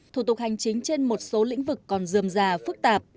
thủ tục hành chính trên một số lĩnh vực còn dườm già phức tạp